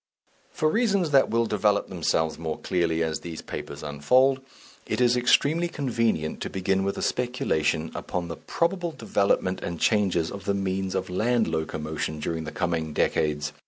For reasons that will develop themselves more clearly as these papers unfold, it is extremely convenient to begin with a speculation upon the probable developments and changes of the means of land locomotion during the coming decades.